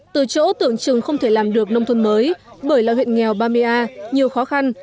từ chỗ tưởng chừng không thể làm được nông thôn mới bởi là huyện nghèo bamea nhiều khó khăn